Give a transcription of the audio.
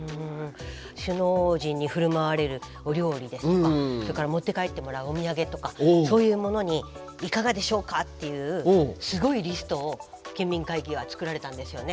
首脳陣に振る舞われるお料理ですとかそれから持って帰ってもらうお土産とかそういうものにいかがでしょうかっていうすごいリストを県民会議は作られたんですよね。